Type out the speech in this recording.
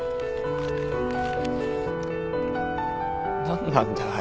何なんだよ